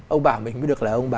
ông bà mình mới được là ông bà